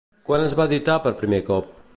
Quan es va editar per primer cop?